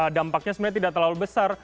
dampaknya sebenarnya tidak terlalu besar